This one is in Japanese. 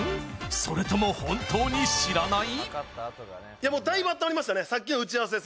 それとも本当に知らない？